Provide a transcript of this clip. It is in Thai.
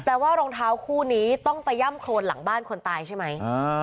ว่ารองเท้าคู่นี้ต้องไปย่ำโครนหลังบ้านคนตายใช่ไหม